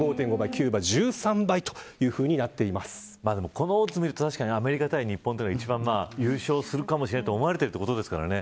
このオッズを見ると確かにアメリカ対日本が優勝するかもしれないと思われているわけですからね。